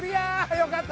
よかった！